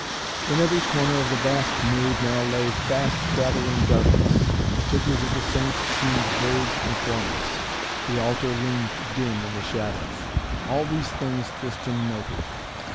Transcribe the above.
In every corner of the vast nave now lay fast gathering darkness. The figures of the saints seemed vague and formless. The altar loomed dim in the shadows. All these things Tristan noted.